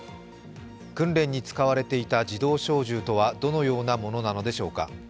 訓練に使われていた自動小銃とはどのようなものなのでしょうか。